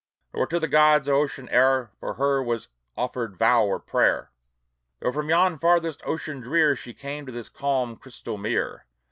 Nor to the gods of ocean e'er For her was offered vow or prayer, Though from yon farthest ocean drear She came to this calm crystal mere.